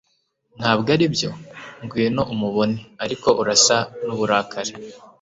ntabwo aribyo? ngwino umubone ... ariko urasa n'uburakari